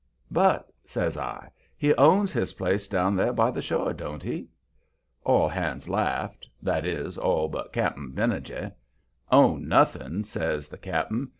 "But," says I, "he owns his place down there by the shore, don't he?" All hands laughed that is, all but Cap'n Benijah. "Own nothing," says the cap'n.